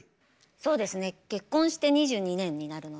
そうですね結婚して２２年になるのでその間。